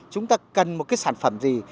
chúng ta cần một cái sản phẩm gì